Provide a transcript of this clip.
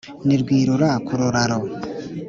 ni rwirura-ku-ruraro